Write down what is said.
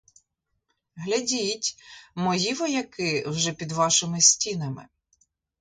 Глядіть, мої вояки вже під вашими стінами.